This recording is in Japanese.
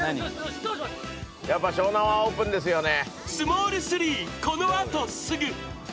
やっぱ湘南はオープンですよね。